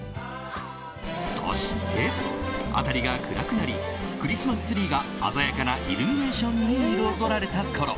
そして、辺りが暗くなりクリスマスツリーが鮮やかなイルミネーションに彩られたころ